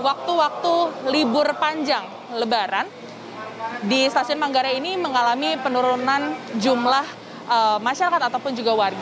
waktu waktu libur panjang lebaran di stasiun manggarai ini mengalami penurunan jumlah masyarakat ataupun juga warga